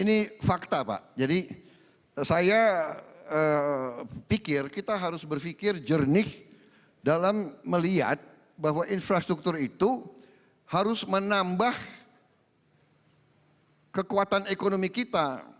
ini fakta pak jadi saya pikir kita harus berpikir jernih dalam melihat bahwa infrastruktur itu harus menambah kekuatan ekonomi kita